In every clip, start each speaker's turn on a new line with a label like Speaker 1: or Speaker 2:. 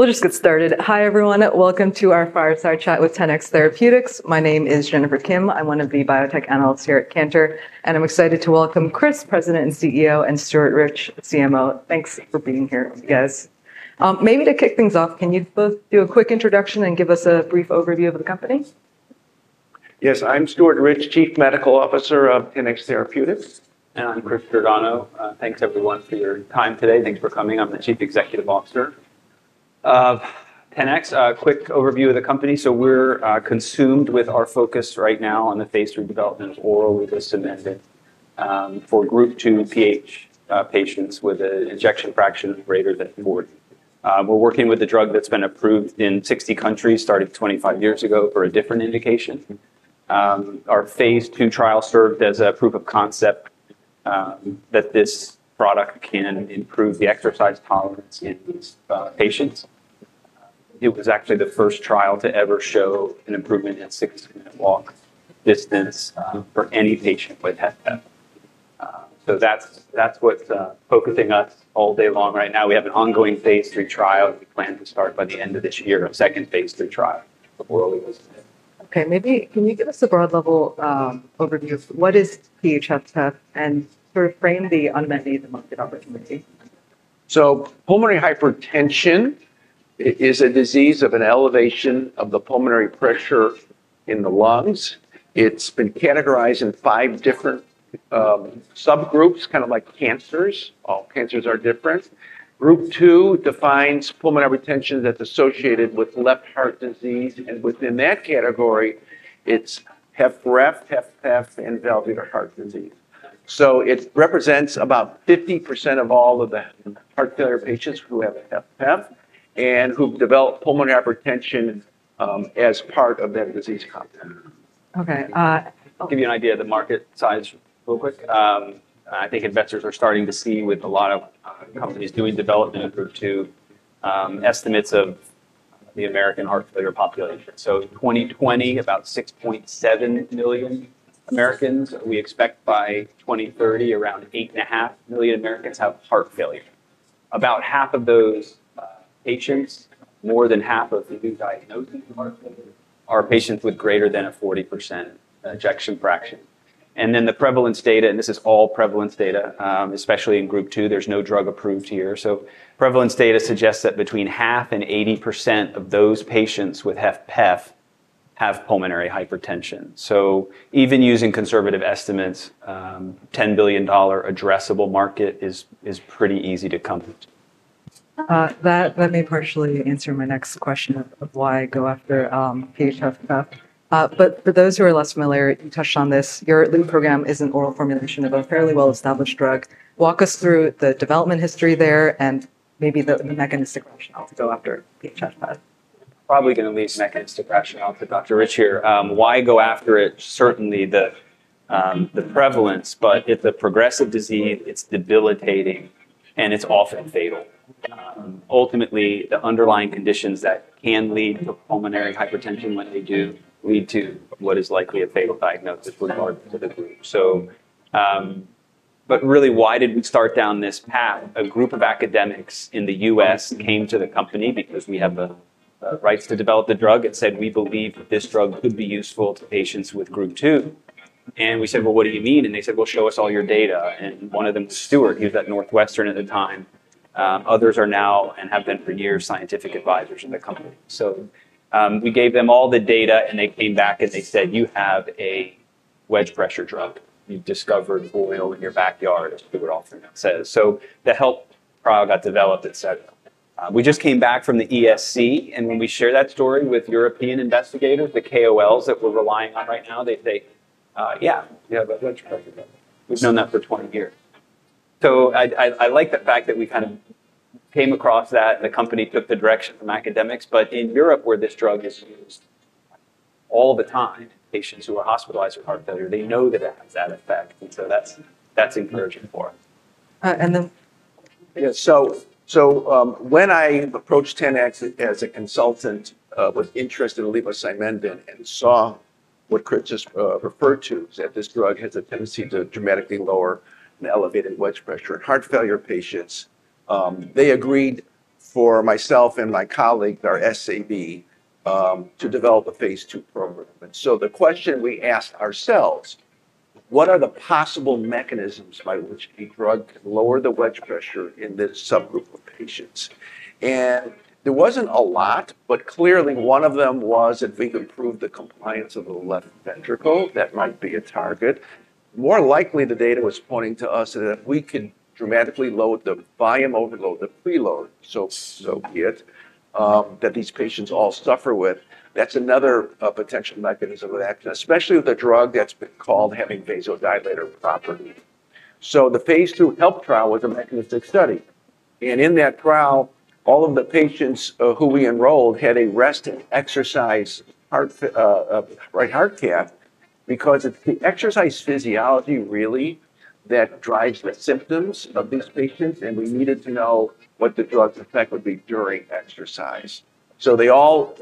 Speaker 1: We'll just get started. Hi, everyone. Welcome to our fireside chat with 10x Therapeutics. My name is Jennifer Kim. I'm one of the biotech analyst here at Cantor. And I'm excited to welcome Chris, president and CEO and Stuart Rich, CMO. Thanks for being here with you guys. Maybe to kick things off, can you both do a quick introduction and give us a brief overview of the company?
Speaker 2: Yes. I'm Stuart Rich, Chief Medical Officer of 10x Therapeutics.
Speaker 3: And I'm Chris Giordano. Thanks everyone for your time today. Thanks for coming. I'm the Chief Executive Officer 10x. A quick overview of the company. So we're consumed with our focus right now on the Phase III development of oral, which was submitted for group two PH patients with an injection fraction greater than 40. We're working with a drug that's been approved in 60 countries, started twenty five years ago for a different indication. Our phase two trial served as a proof of concept that this product can improve the exercise tolerance in these patients. It was actually the first trial to ever show an improvement in sixty minute walk distance for any patient with HFpEp. So that's what's focusing us all day long right now. We have an ongoing Phase three trial. We plan to start by the end of this year, a second Phase III trial of oral elixir.
Speaker 1: Okay. Maybe can you give us a broad level overview of what is PHF test and sort of frame the unmet need in market opportunity?
Speaker 2: So, pulmonary hypertension is a disease of an elevation of the pulmonary pressure in the lungs. It's been categorized in five different subgroups, kind of like cancers. All cancers are different. Group two defines pulmonary hypertension that's associated with left heart disease, and within that category, it's HFrEF, HFpEF, and valvular heart disease. So it represents about fifty percent of all of the heart failure patients who have FF and who develop pulmonary hypertension as part of that disease content.
Speaker 3: Okay. I'll give you an idea of the market size real quick. I think investors are starting to see with a lot of companies doing development or two estimates of the American heart failure population. So 2020, about six point seven million Americans. We expect by 02/1930, around eight point five million Americans have heart failure. About half of those patients, more than half of the new diagnosis in March, are patients with greater than a forty percent ejection fraction. And then the prevalence data, and this is all prevalence data, especially in Group two, there's no drug approved here. So prevalence data suggests that between half and eighty percent of those patients with HFpEF have pulmonary hypertension. So even using conservative estimates, dollars 10,000,000,000 addressable market is pretty easy to come to.
Speaker 1: That may partially answer my next question of why I go after PHF. But for those who are less familiar, you touched on this, your LUB program is an oral formulation of a fairly well established drug. Walk us through the development history there and maybe the mechanistic rationale to go after PHF-five.
Speaker 3: Probably going to leave mechanistic rationale to Doctor. Rich here. Why go after it? Certainly the prevalence, but it's a progressive disease, it's debilitating and it's often fatal. Ultimately, the underlying conditions that can lead to pulmonary hypertension when they do lead to what is likely a fatal diagnosis with regard to the group. So But really, why did we start down this path? A group of academics in The US came to the company because we have the rights to develop the drug and said, We believe that this drug could be useful to patients with group two. And we said, Well, what do you mean? And they said, Well, show us all your data. And one of them is Stuart. He was at Northwestern at the time. Others are now and have been for years scientific advisors in the company. So we gave them all the data and they came back and they said, You have a wedge pressure drop. You discovered oil in your backyard, as we would often say. So the help product got developed, etcetera. We just came back from the ESC, and when we shared that story with European investigators, the KOLs that we're relying on right now, they they
Speaker 2: yeah. Yeah. That's probably about it.
Speaker 3: We've known that for twenty years. So I I I like the fact that we kind of came across that and the company took the direction from academics. But in Europe where this drug is used all the time, patients who are hospitalized with heart failure, they know that it has that effect. And so that's encouraging for us.
Speaker 1: And then Yeah.
Speaker 2: So when I approached 10x as a consultant with interest in levocimendin and saw what Chris just referred to, that this drug has a tendency to dramatically lower an elevated wedge pressure in heart failure patients, they agreed for myself and my colleague, our SAB, to develop a phase two program. And so the question we asked ourselves, what are the possible mechanisms by which a drug can lower the wedge pressure in this subgroup of patients? And there wasn't a lot, but clearly one of them was if we could prove the compliance of the left ventricle, that might be a target. More likely the data was pointing to us that if we could dramatically load the volume overload, the preload, so be it, that these patients all suffer with, that's another potential mechanism of action. Especially with a drug that's called having vasodilator property. So the phase two HELP trial was a mechanistic study. And in that trial, all of the patients who we enrolled had a rest exercise right heart cath because it's the exercise physiology really that drives the symptoms of these patients, and we needed to know what the drug's effect would be during exercise. So they all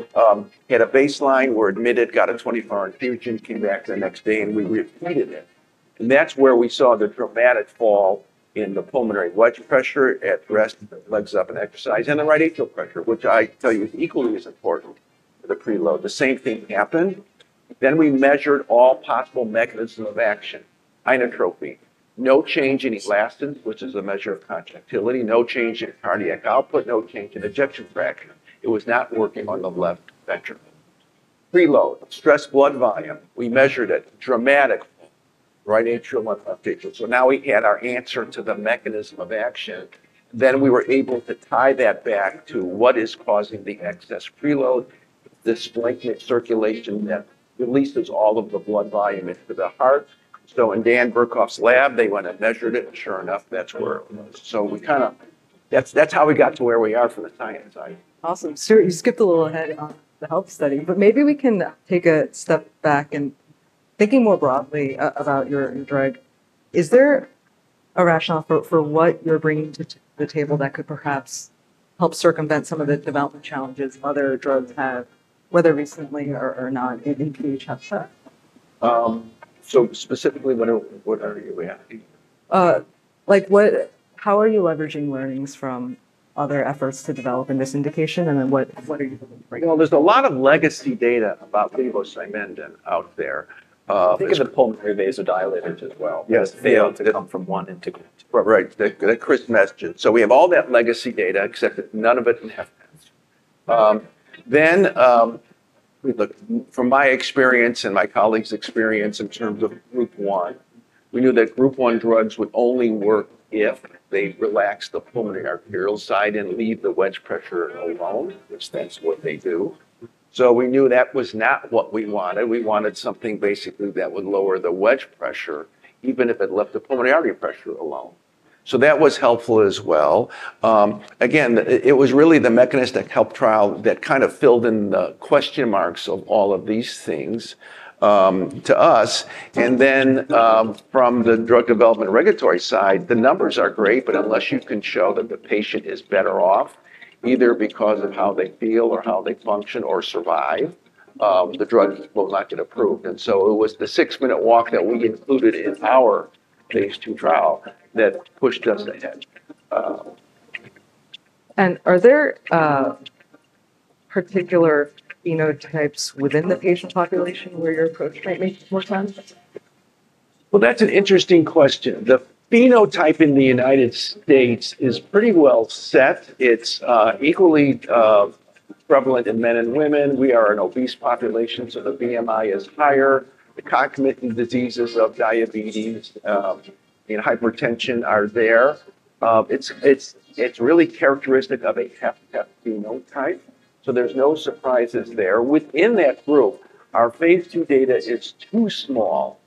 Speaker 2: had a baseline, were admitted, got a twenty four hour infusion, came back the next day, and we we explained it. And that's where we saw the dramatic fall in the pulmonary wedge pressure at rest, legs up and exercise, and the right atrial pressure, which I tell you is equally as important for the preload. The same thing happened. Then we measured all possible mechanism of action. Inotropin, no change in elastin, which is a measure of contractility, no change in cardiac output, no change in ejection fraction. It was not working on the left ventricle. Preload, stress blood volume, we measured it dramatically. Right atrial lung uptake. So now we add our answer to the mechanism of action. Then we were able to tie that back to what is causing the excess preload, the splicing of circulation that releases all of the blood volume into the heart. So in Dan Burkoff's lab, they went and measured it, and sure enough, that's where it was. So we kind of, that's how we got to where we are from the science side.
Speaker 1: Awesome. Stuart, you skipped a little ahead on the health study, but maybe we can take a step back and thinking more broadly about your drug, is there a rationale for what you're bringing to the table that could perhaps help circumvent some of the development challenges other drugs have, whether recently or not, in PHF? So specifically, what are you asking? Like, what, how are you leveraging learnings from other efforts to develop in this indication? And then what are you looking for?
Speaker 2: Well, there's a lot of legacy data about levosimendin out there.
Speaker 3: Think of the pulmonary vasodilators as well. Yes. They are to come from one entity.
Speaker 2: Right. Chris mentioned. So we have all that legacy data except that none of it in HFN. Then, we looked from my experience and my colleagues' experience in terms of group one, we knew that group one drugs would only work if they relax the pulmonary arterial side and leave the wedge pressure alone, which that's what they do. So we knew that was not what we wanted. We wanted something basically that would lower the wedge pressure, even if it left the pulmonary artery pressure alone. So that was helpful as well. Again, it was really the mechanistic help trial that kind of filled in the question marks of all of these things to us. And then from the drug development regulatory side, the numbers are great, but unless you can show that the patient is better off, either because of how they feel or how they function or survive, the drugs will not get approved. So it was the six minute walk that we included in our Phase two trial that pushed us ahead.
Speaker 1: And are there particular phenotypes within the patient population where your approach might make more sense?
Speaker 2: Well, that's an interesting question. The phenotype in The United States is pretty well set. It's equally prevalent in men and women. We are an obese population, so the BMI is higher. The cognitive diseases of diabetes and hypertension are there. It's it's it's really characteristic of a phenotype, so there's no surprises there. Within that group, our phase two data is too small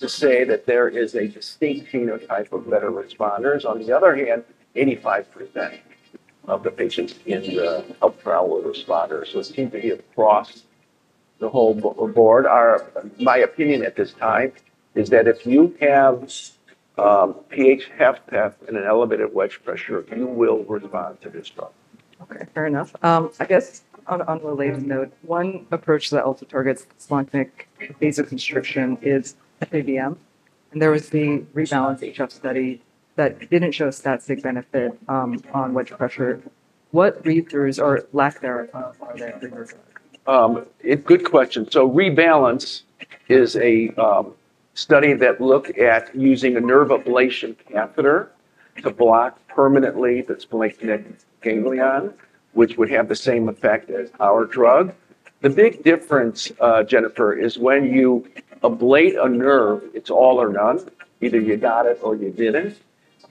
Speaker 2: to say that there is a distinct phenotype of better responders. On the other hand, eighty five percent of the patients in the uprowload responders. It seem to be across the whole board. Our my opinion at this time is that if you have pH half pep and an elevated wedge pressure, you will respond to this drug. Okay.
Speaker 1: Fair enough. I guess on the latest note, one approach that also targets spontanek vasoconstriction is FEVM. And there was the Rebalance HF study that didn't show a static benefit on wedge pressure. What read throughs are lack there?
Speaker 2: Question. So Rebalance is a study that look at using a nerve ablation catheter to block permanently the splaychnic ganglion which would have the same effect as our drug. The big difference, Jennifer, is when you ablate a nerve, it's all or none. Either you got it or you didn't.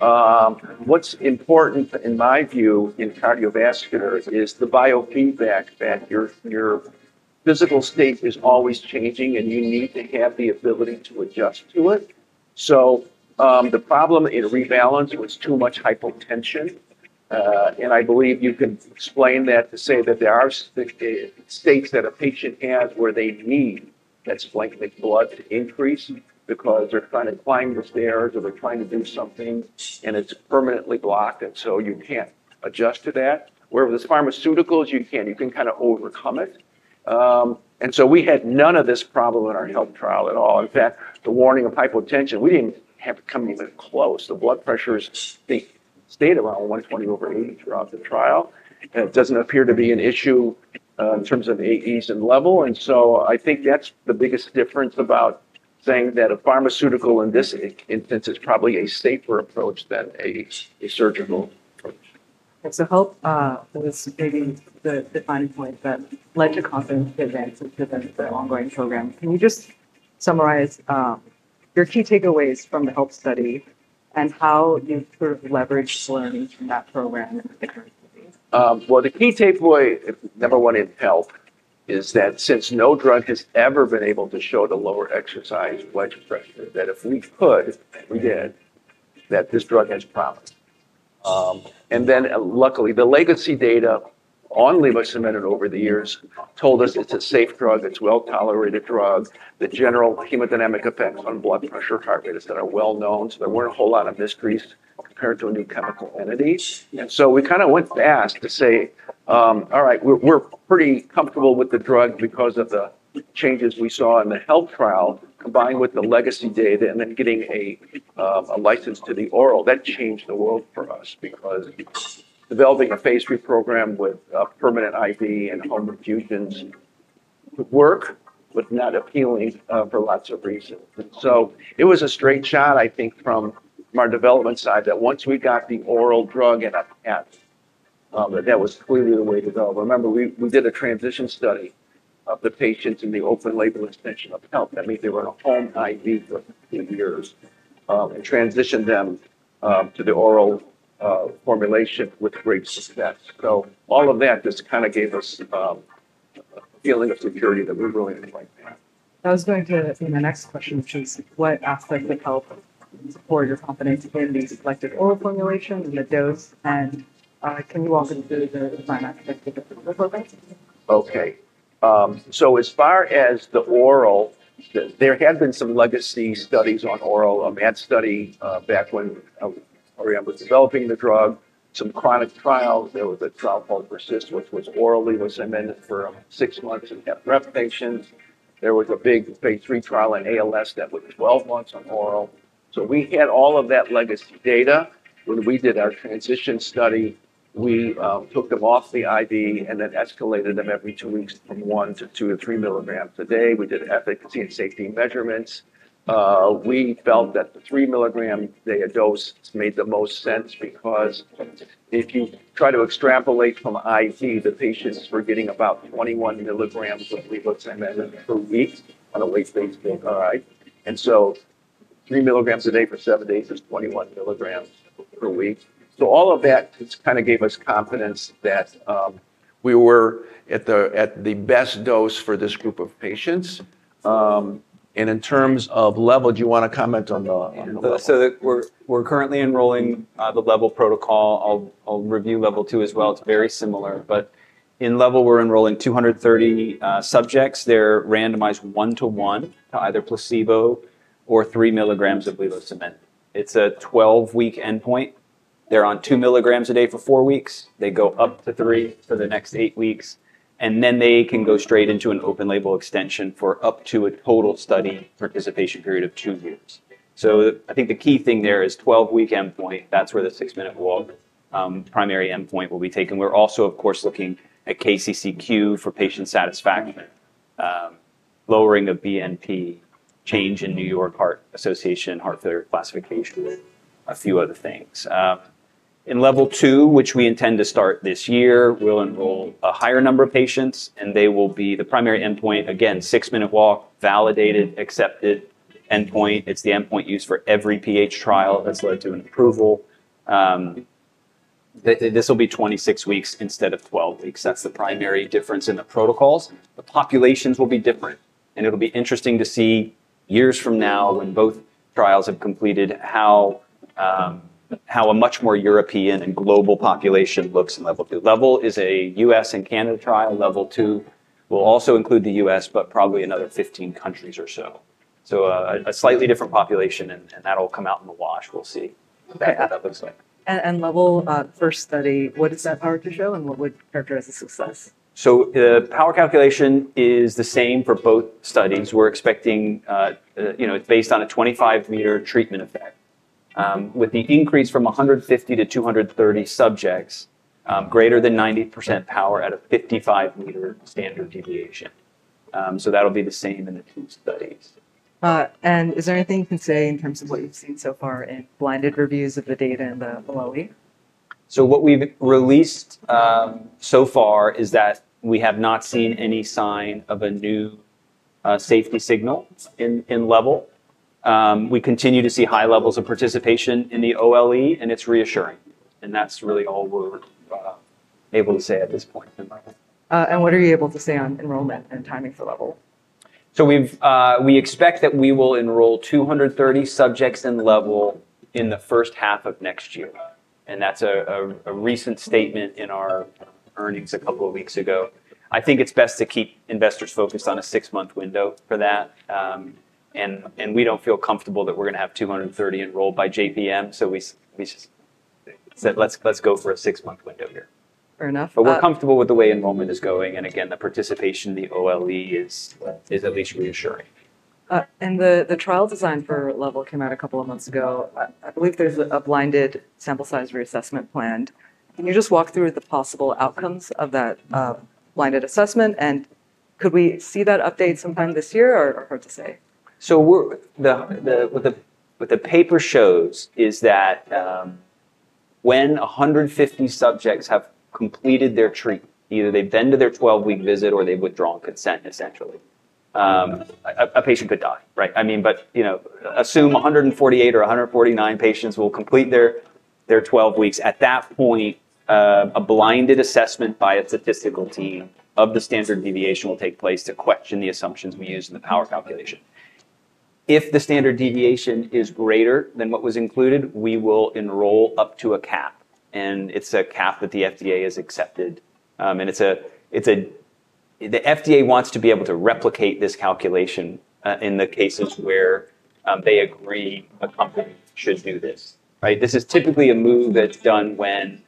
Speaker 2: What's important in my view in cardiovascular is the biofeedback that your your physical state is always changing, and you need to have the ability to adjust to it. So the problem in rebalance was too much hypotension, And I believe you can explain that to say that there are states that a patient has where they need that's like the blood increase because they're trying to climb the stairs or they're trying to do something and it's permanently blocked and so you can't adjust to that. Where with this pharmaceuticals, you can't. You can kind of overcome it. And so we had none of this problem in our health trial at all. In fact, the warning of hypotension, we didn't have to come even close. The blood pressures stayed stayed around one twenty over 80 throughout the trial. It doesn't appear to be an issue in terms of the ease and level. So I think that's the biggest difference about saying that a pharmaceutical in this instance is probably a safer approach than a a surgical approach.
Speaker 1: And so HEALTH was maybe the defining point that led to confidence events and prevent the ongoing program. Can you just summarize your key takeaways from the HEALTH study and how you've sort of leveraged learning from that program?
Speaker 2: Well, key takeaway, number one in health, is that since no drug has ever been able to show the lower exercise blood pressure that if we could, we did, that this drug has promised. And then luckily, the legacy data on label submitted over the years told us it's a safe drug, it's well tolerated drug. The general hemodynamic effect on blood pressure target is that are well known, there weren't a whole lot of mysteries compared to any chemical entities. So we kind of went fast to say, all right, we're pretty comfortable with the drug because of the changes we saw in the health trial combined with the legacy data and then getting license to the oral, that changed the world for us because developing a phase three program with permanent IV and home refusions would work, but not appealing for lots of reasons. So it was a straight shot, I think, from our development side that once we got the oral drug and that that was clearly the way to go. Remember, we we did a transition study of the patients in the open label extension of health. That means they were on a home IV for fifteen years and transition them to the oral formulation with great success. So all of that just kind of gave us feeling of security that we're really in the right path.
Speaker 1: I was going to see the next question which is what aspect of health support your confidence in these selected oral formulations and the dose, and can you walk into the the final aspect of the program?
Speaker 2: Okay. So as far as the oral, there have been some legacy studies on oral. A med study back when Orient was developing the drug, some chronic trials. There was a trial called PERSIST, which was orally was amended for six months in PEPRAP patients. There was a big phase three trial in ALS that was twelve months on oral. So we had all of that legacy data. When we did our transition study, we took them off the IV and then escalated them every two weeks from one to two or three milligrams a day. We did efficacy and safety measurements. We felt that the three milligram a day of dose made the most sense because if you try to extrapolate from IV, the patients were getting about twenty one milligrams of levothyroxine per week on a late stage. And so three milligrams a day for seven days is twenty one milligrams per week. So all of that, it's kind of gave us confidence that we were at the at the best dose for this group of patients. And in terms of level, do you want to comment on the level?
Speaker 3: So, we're currently enrolling the level protocol. I'll review level two as well. It's very similar. But in level, we're enrolling two thirty subjects. They're randomized one to one, either placebo or three milligrams of levocement. It's a twelve week endpoint. They're on two milligrams a day for four weeks. They go up to three for the next eight weeks. And then they can go straight into an open label extension for up to a total study participation period of two years. So I think the key thing there is twelve week endpoint. That's where the six minute walk primary endpoint will be taken. We're also, of course, looking at KCCQ for patient satisfaction, lowering the BNP change in New York Heart Association Heart Failure Classification, a few other things. In Level two, which we intend to start this year, we'll enroll a higher number of patients and they will be the primary endpoint, again, six minute walk, validated, accepted endpoint. It's the endpoint used for every PH trial that's led to an approval. This will be twenty six weeks instead of twelve weeks. That's the primary difference in the protocols. The populations will be different, and it'll be interesting to see years from now when both trials have completed how a much more European and global population looks level. The level is a US and Canada trial. Level two will also include The US, but probably another 15 countries or so. So a slightly different population, that'll come out in the wash. We'll see And what that looks
Speaker 1: Level, first study, what does that power to show, and what would characterize the success?
Speaker 3: So the power calculation is the same for both studies. We're expecting, you know, it's based on a 25 meter treatment effect. With the increase from a 150 to 230 subjects, greater than 90% power at a 55 meter standard deviation. So that'll be the same in the two studies.
Speaker 1: And is there anything you can say in terms of what you've seen so far in blinded reviews of
Speaker 3: the data in the below e? So what we've released so far is that we have not seen any sign of a new safety signal in level. We continue to see high levels of participation in the OLE, and it's reassuring. And that's really all we're able to say at this point in my mind.
Speaker 1: And what are you able to say on enrollment and timing for level?
Speaker 3: So we've we expect that we will enroll 230 subjects in level in the first half of next year. And that's a a recent statement in our earnings a couple of weeks ago. I think it's best to keep investors focused on a six month window for that. And and we don't feel comfortable that we're gonna have 230 enrolled by JPM. So we we said, let's go for a six month window here.
Speaker 1: Fair enough.
Speaker 3: But we're comfortable with the way enrollment is going. And again, the participation in the OLE is at least reassuring.
Speaker 1: And the trial design for Level came out a couple of months ago. I believe there's a blinded sample size reassessment planned. Can you just walk through the possible outcomes of that blinded assessment and could we see that update sometime this year or hard to say?
Speaker 3: So, what the paper shows is that when one hundred and fifty subjects have completed their treatment, either they've been to their twelve week visit or they've withdrawn consent essentially, a patient could die, right? I mean, but, you know, assume one hundred and forty eight or one hundred and forty nine patients will complete their twelve weeks. At that point, a blinded assessment by a statistical team of the standard deviation will take place to question the assumptions we use in the power calculation. If the standard deviation is greater than what was included, we will enroll up to a cap, and it's a cap that the FDA has accepted. And it's a the FDA wants to be able to replicate this calculation in the cases where they agree a company should do this. Right? This is typically a move that's done when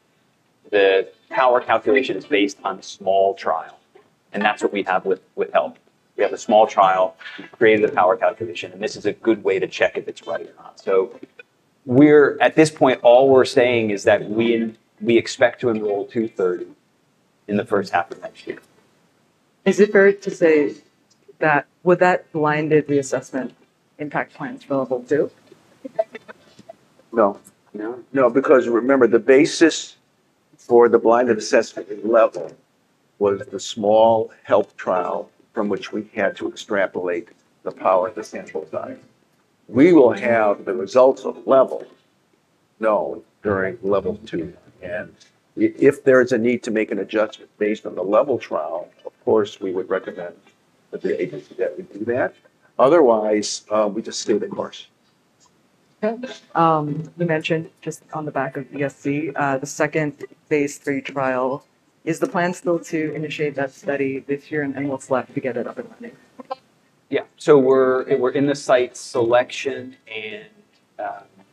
Speaker 3: the power calculation is based on a small trial, and that's what we have with with help. We have a small trial, creating the power calculation, and this is a good way to check if it's ready or not. So we're at this point, all we're saying is that we expect to enroll two thirty in the first half of next year.
Speaker 1: Is it fair to say that would that blinded the assessment impact plans for level two?
Speaker 2: No. No? No. Because remember, the basis for the blinded assessment level was the small health trial from which we had to extrapolate the power of the central time. We will have the results of level known during level two. And if there is a need to make an adjustment based on the level trial, of course, we would recommend that the agency that we do that. Otherwise, we just stay the course.
Speaker 1: You mentioned just on the back of ESC, the second phase three trial. Is the plan still to initiate that study this year and then we'll select to get it up and running?
Speaker 3: Yeah. So we're we're in the site selection and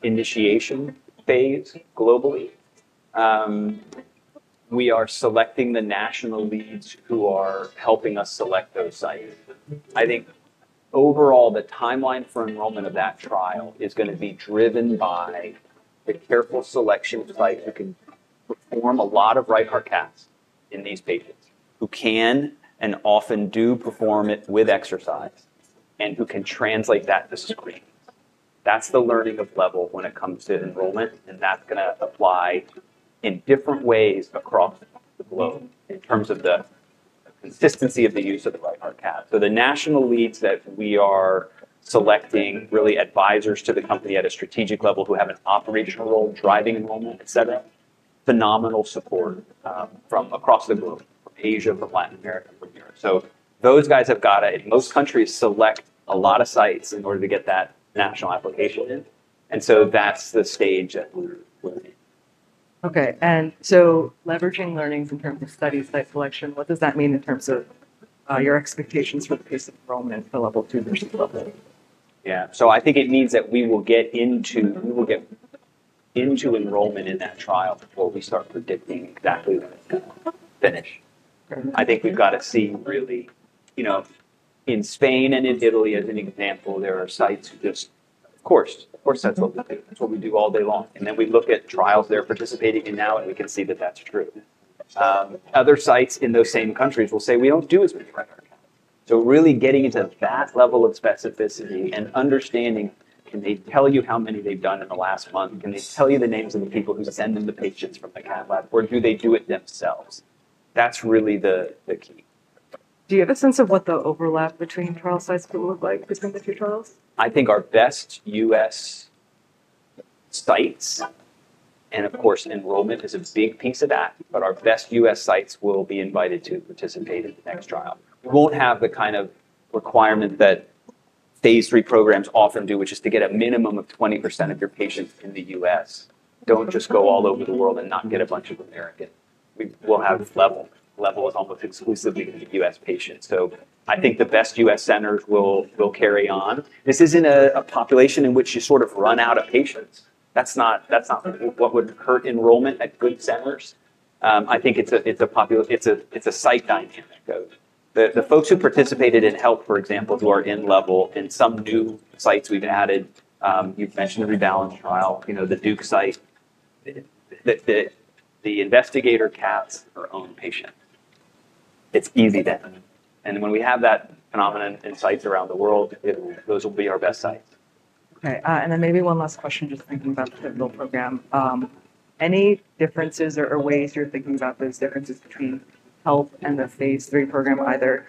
Speaker 3: initiation phase globally. We are selecting the national leads who are helping us select those sites. I think overall, the timeline for enrollment of that trial is gonna be driven by the careful selection site who can perform a lot of Reichard cats in these patients who can and often do perform it with exercise and who can translate that to screens. That's the learning of level when it comes to enrollment, and that's gonna apply in different ways across the globe in terms of the consistency of the use of the Bright Heart CAT. So the national leads that we are selecting really advisers to the company at a strategic level who have an operational role driving enrollment, etcetera, Phenomenal support from across the globe, from Asia, from Latin America, from Europe. So those guys have got it. Most countries select a lot of sites in order to get that national application. And so that's the stage that we're we're in.
Speaker 1: Okay. And so leveraging learnings in terms of studies by selection, what does that mean in terms of your expectations for the pace of enrollment for level two versus level three?
Speaker 3: Yeah. So I think it means that we will get into we will get into enrollment in that trial before we start predicting exactly when it's gonna finish. I think we've gotta see really, you know, in Spain and in Italy as an example, there are sites just coarse. Of course, that's what we do all day long. And then we look at trials they're participating in now and we can see that that's true. Other sites in those same countries will say we don't do as much better. So really getting into that level of specificity and understanding, can they tell you how many they've done in the last month? Can they tell you the names of the people who send in the patients from the cath lab? Or do they do it themselves? That's really the the key.
Speaker 1: Do you have a sense of what the overlap between trial sites will look like between the two trials?
Speaker 3: I think our best US sites and of course enrollment is a big piece of that, but our best US sites will be invited to participate in the next trial. It won't have the kind of requirement that phase three programs often do, which is to get a minimum of twenty percent of your patients in The US. Don't just go all over the world and not get a bunch of American. We'll have this level. Level is almost exclusively US patients. So, I think the best US centers will will carry on. This isn't a a population in which you sort of run out of patients. That's not that's not what would hurt enrollment at good centers. I think it's a it's a popular it's a it's a site dynamic. The the folks who participated in help, for example, who are in level in some new sites we've added, you've mentioned the rebalance trial, you know, the Duke site. The the the investigator caps her own patient. It's easy then. And when we have that phenomenon in sites around the world, will be our best sites.
Speaker 1: Okay. Then maybe one last question just thinking about the pivotal program. Any differences or ways you're thinking about those differences between health and the phase three program either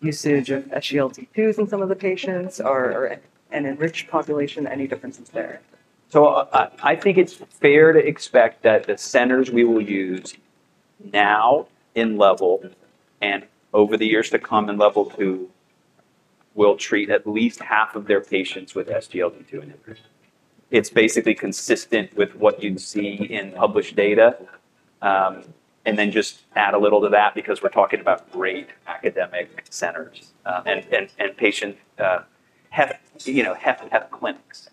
Speaker 1: usage of SGLT2s in some of the patients or an enriched population, any differences there?
Speaker 3: So, I think it's fair to expect that the centers we will use now in level and over the years to come in level two will treat at least half of their patients with SGLT2 inhibition. It's basically consistent with what you'd see in published data, and then just add a little to that because we're talking about great academic centers and patient health clinics.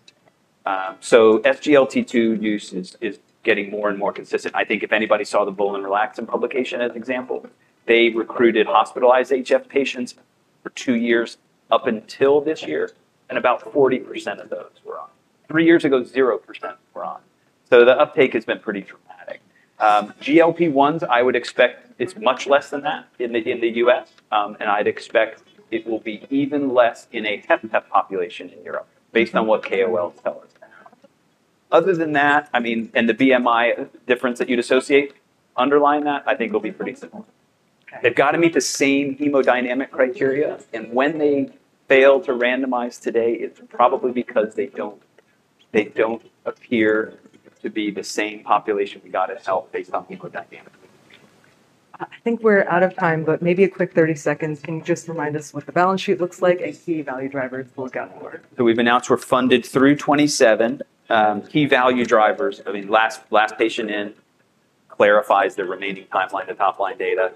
Speaker 3: SGLT2 use is getting more and more consistent. I think if anybody saw the Bull and Relaxin publication as an example, they recruited hospitalized HF patients for two years up until this year and about forty percent of those were on. Three years ago, zero percent were on. So the uptake has been pretty dramatic. GLP-1s, I would expect it's much less than that in the in The US, and I'd expect it will be even less in a Hemp and Hemp population in Europe based on what KOLs tell us. Other than that, I mean and the BMI difference that you'd associate underlying that, I think will be pretty simple. They've got to meet the same hemodynamic criteria and when they fail to randomize today, it's probably because they don't they don't appear to be the same population we got at health based on hemodynamic.
Speaker 1: I think we're out of time, but maybe a quick thirty seconds. Can you just remind us what the balance sheet looks like and key value drivers to look out for?
Speaker 3: So we've announced we're funded through '27. Key value drivers, I mean, last last patient in clarifies the remaining timeline and top line data.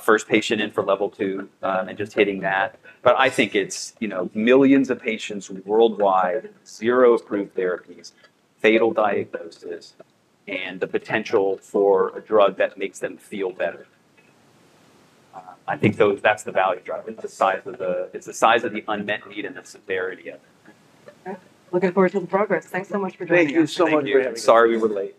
Speaker 3: First patient in for level two, and just hitting that. But I think it's millions of patients worldwide, zero approved therapies, fatal diagnosis, and the potential for a drug that makes them feel better. I think that's the value driving the size of the it's the size of the unmet need and the severity of it.
Speaker 1: Looking forward to the progress. Thanks so much for joining us.
Speaker 2: Thank you so much for
Speaker 3: having me. Sorry we were late.